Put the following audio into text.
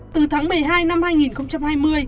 từ tháng một mươi hai năm hai nghìn hai mươi